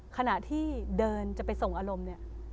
ขณะที่เดินจะไปส่งอารมณ์